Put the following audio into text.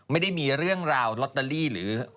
ไม่ได้มีเรื่องราวลอตเตอรี่หรือ